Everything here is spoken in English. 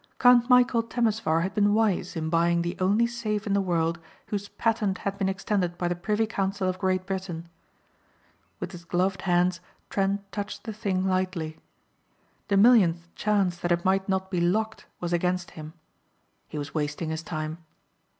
Count Michæl Temesvar had been wise in buying the only safe in the world whose patent had been extended by the Privy Council of Great Britain. With his gloved hands Trent touched the thing lightly. The millionth chance that it might not be locked was against him. He was wasting his time.